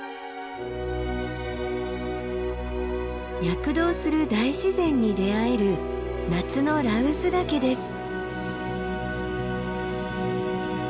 躍動する大自然に出会える夏の羅臼岳です。